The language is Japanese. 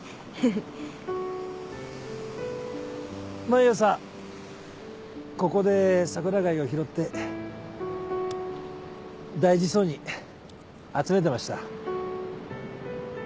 毎朝ここでサクラガイを拾って大事そうに集めてました。